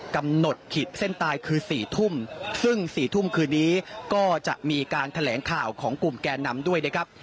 กำหนดขีดเส้นตายคือ๔ทุ่มซึ่ง๔ทุ่มคืนนี้ก็จะมีการแถลงข่าวของกลุ่มแกนนำด้วยนะครับ